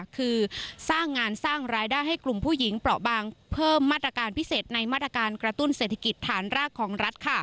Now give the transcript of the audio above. คือสร้างงานสร้างรายได้ให้กลุ่มผู้หญิงเปราะบางเพิ่มมาตรการพิเศษในมาตรการกระตุ้นเศรษฐกิจฐานรากของรัฐ